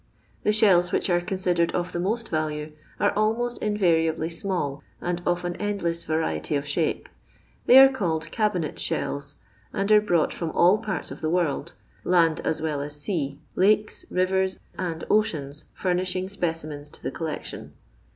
The shells which ara considered of the most Talue are almost inTariably small, and of an end lew Tariety of shape. They are called cabinet" ^ells, and are brought from all parts of the world —land as well as sea — lakes, riyers, and oceans furnishing specimens to the collection.